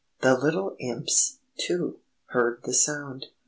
The little Imps, too, heard the sound.